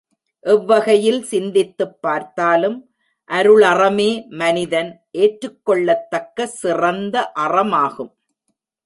எவ்வகையில் சிந்தித்துப் பார்த்தாலும் அருளறமே மனிதன் ஏற்றுக்கொள்ளத்தக்க சிறந்த அறமாகும்.